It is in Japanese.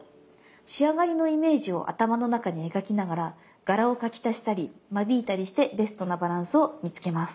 仕上がりのイメージを頭の中に描きながら柄を描き足したり間引いたりしてベストなバランスを見つけます。